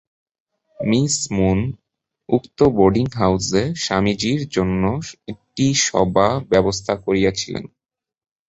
Miss Moon উক্ত boarding হাউসে স্বামীজীর জন্য একটি সভার ব্যবস্থা করিয়াছিলেন।